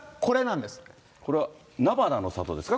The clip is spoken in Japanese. これはなばなの里ですか？